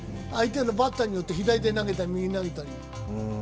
相手のバッターによって左で投げたり、右で投げたり。